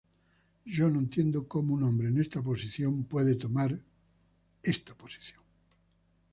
Yo no entiendo cómo un hombre en esa posición puede tomar una esta posición".